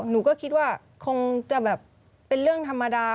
หนูก็คิดว่าคงจะแบบเป็นเรื่องธรรมดา